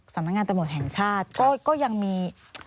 สำนักงานตำรวจแห่งชาติก็ยังมี